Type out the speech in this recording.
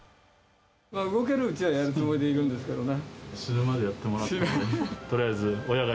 動けるうちはやるつもりでいるんですけどもね。